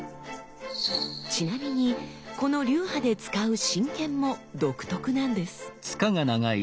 ちなみにこの流派で使う真剣も独特なんです。